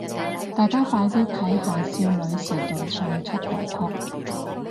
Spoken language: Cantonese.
大家快啲睇下少女時代唱出道曲